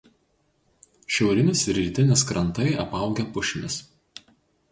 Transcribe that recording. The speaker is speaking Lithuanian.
Šiaurinis ir rytinis krantai apaugę pušimis.